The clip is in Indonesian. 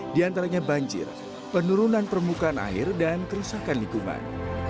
diantaranya banjir penurunan permukaan air dan kerusakan lingkungan